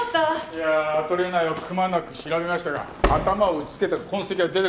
いやあアトリエ内をくまなく調べましたが頭を打ちつけた痕跡が出てこない。